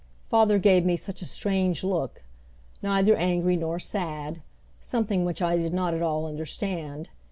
Father gave me such a strange look, neither angry nor sad something which I did not at all understand.